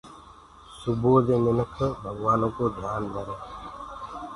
سبو سوير مِنک ڀگوآنو ڪو ڌيآن ڌري۔